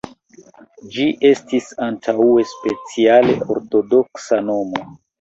Ĝi estis antaŭe speciale ortodoksa nomo.